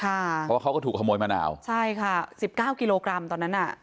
เพราะว่าเขาก็ถูกขโมยมะนาวใช่ค่ะสิบเก้ากิโลกรัมตอนนั้นอ่ะ